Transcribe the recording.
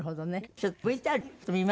ちょっとＶＴＲ見ます？